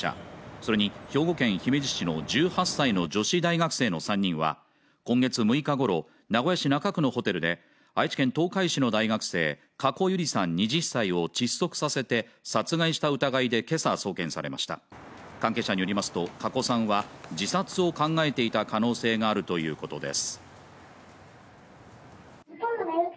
それに兵庫県姫路市の１８歳の女子大学生の３人は今月６日ごろ名古屋市中区のホテルで愛知県東海市の大学生加古結莉さん２０歳を窒息させて殺害した疑いで今朝送検されました関係者によりますと加古さんは自殺を考えていた可能性があるということです